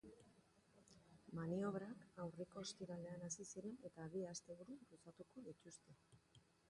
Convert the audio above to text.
Maniobrak aurreko ostiralean hasi ziren eta bi asteburuz luzatuko dituzte.